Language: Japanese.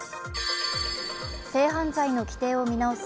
性犯罪の規定を見直す